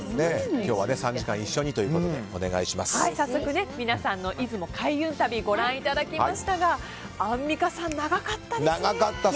今日は３時間一緒にということで早速、皆さんの出雲開運旅をご覧いただきましたがアンミカさん、長かったですね。